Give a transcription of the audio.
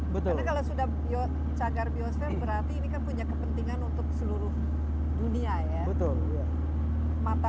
karena kalau sudah cagar biosper berarti ini kan punya kepentingan untuk seluruh dunia ya